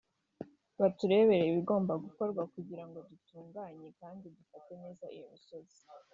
baturebere ibigomba gukorwa kugira ngo dutunganye kandi dufate neza iyo misozi